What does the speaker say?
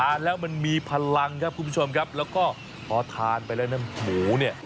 แล้วมันมีพลังครับคุณผู้ชมครับแล้วก็พอทานไปแล้วน้ำหมูเนี่ย